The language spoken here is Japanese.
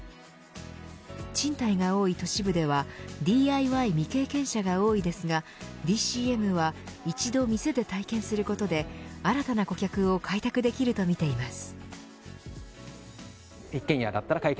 賃貸が多い都市部ではＤＩＹ未経験者が多いですがＤＣМは一度店で体験することで新たな顧客を開拓できるとみています。